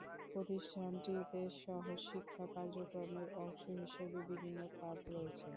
প্রতিষ্ঠানটিতে সহশিক্ষা কার্যক্রমের অংশ হিসেবে বিভিন্ন ক্লাব রয়েছে।